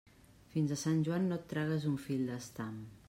Fins a Sant Joan, no et tragues un fil d'estam.